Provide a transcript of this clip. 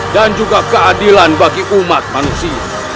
dan juga keadilan bagi umat manusia